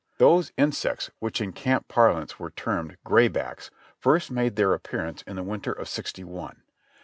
Those insects, which in camp parlance were termed "gray backs," first made their appearance in the winter of sixty one.